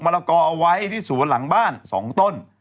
ละกอเอาไว้ที่สวนหลังบ้าน๒ต้น